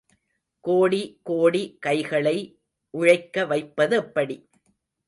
கோடி கோடி கைகளை உழைக்க வைப்பதெப்படி?